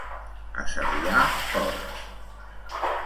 A Sarrià, porcs.